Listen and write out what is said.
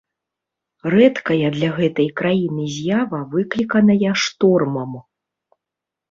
Рэдкая для гэтай краіны з'ява выкліканая штормам.